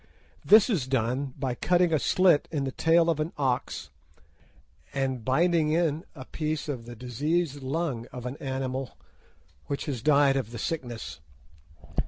This is done by cutting a slit in the tail of an ox, and binding in a piece of the diseased lung of an animal which has died of the sickness.